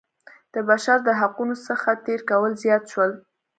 د بشر د حقونو څخه تېری کول زیات شول.